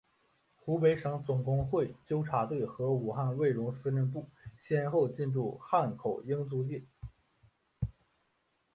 湖北省总工会纠察队和武汉卫戍司令部先后进驻汉口英租界。